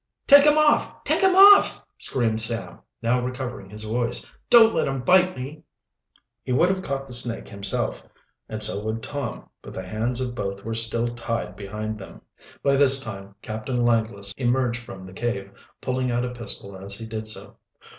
"Take him off! Take him off!" screamed Sam, now recovering his voice. "Don't let him bite me." He would have caught the snake himself, and so would Tom, but the hands of both were still tied behind them. By this time Captain Langless emerged from the cave, pulling out a pistol as he did so.